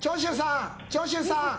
長州さん